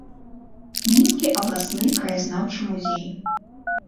Мінскі абласны краязнаўчы музей.